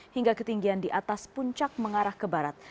hingga ketinggian di atas puncak mengarah ke barat